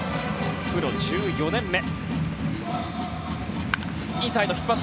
プロ１４年目。